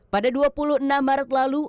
pada dua puluh enam maret lalu